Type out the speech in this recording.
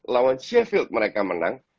lawan sheffield mereka menang